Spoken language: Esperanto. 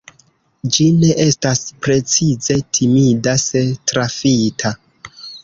Ĝi ne estas precize timida se trafita.